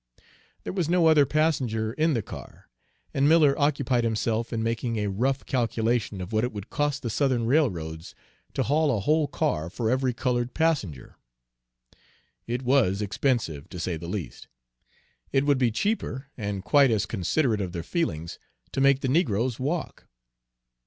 There was no other passenger in the car, and Miller occupied himself in making a rough calculation of what it would cost the Southern railroads to haul a whole car for every colored passenger. It was expensive, to say the least; it would be cheaper, and quite as considerate of their feelings, to make the negroes walk.